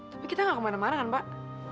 tapi kita gak kemana mana kan pak